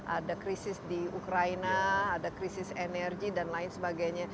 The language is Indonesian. ada krisis di ukraina ada krisis energi dan lain sebagainya